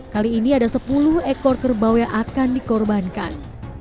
kali ini ada sepuluh ekor kerbau yang akan dikorbankan